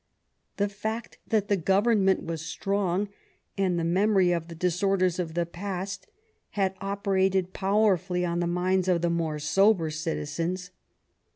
The fact that the Government was strong, and the memory of the disorders of the past, had operated powerfully on the minds of the more sober citizens.